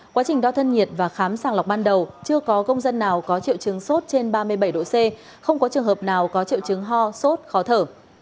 quá trình đo thân nhiệt và khám sàng lọc ban đầu chưa có công dân nào có triệu chứng sốt trên ba mươi bảy độ c không có trường hợp nào có triệu chứng ho sốt khó thở